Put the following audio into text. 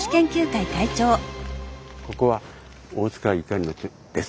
ここは大塚ゆかりの地ですね。